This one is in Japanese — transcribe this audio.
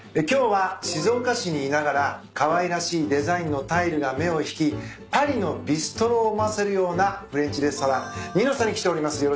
今日は静岡市にいながらかわいらしいデザインのタイルが目を引きパリのビストロを思わせるようなフレンチレストランｎｉｎｏｓａに来ております。